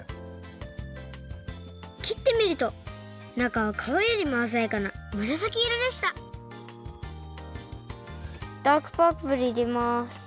きってみるとなかはかわよりもあざやかなむらさきいろでしたダークパープルいれます。